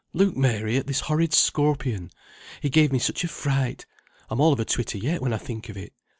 "Look, Mary, at this horrid scorpion. He gave me such a fright: I'm all of a twitter yet when I think of it.